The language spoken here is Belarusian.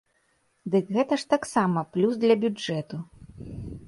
Дык гэта ж таксама плюс для бюджэту.